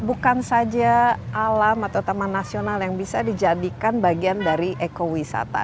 bukan saja alam atau taman nasional yang bisa dijadikan bagian dari ekowisata